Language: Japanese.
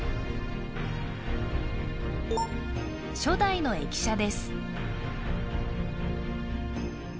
初代の駅舎です